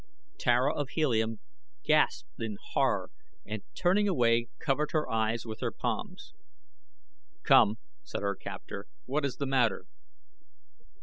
Tara of Helium gasped in horror and turning away covered her eyes with her palms. "Come!" said her captor. "What is the matter?"